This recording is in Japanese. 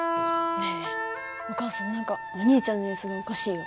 ねえお母さん何かお兄ちゃんの様子がおかしいよ。